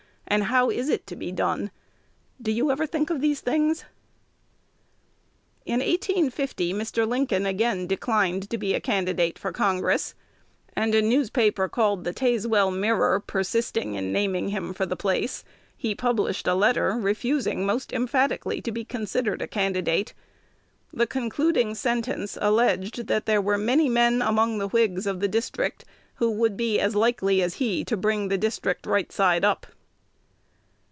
and how is it to be done? Did you ever think of these things?'" In 1850 Mr. Lincoln again declined to be a candidate for Congress; and a newspaper called "The Tazewell Mirror" persisting in naming him for the place, he published a letter, refusing most emphatically to be considered a candidate. The concluding sentence alleged that there were many men among the Whigs of the district who would be as likely as he to bring "the district right side up."